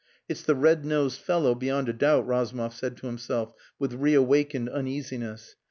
"It's the red nosed fellow beyond a doubt," Razumov said to himself, with reawakened uneasiness.